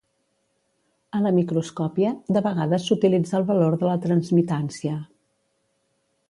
A la microscòpia, de vegades s'utilitza el valor de la transmitància.